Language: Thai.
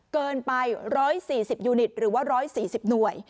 เกินไป๑๔๐ยูนิตหรือว่า๑๔๐หน่วย